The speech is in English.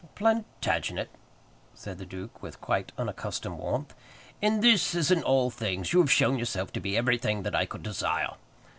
"Plantagenet," said the duke, with quite unaccustomed warmth, "in this, as in all things, you have shown yourself to be everything that I could desire.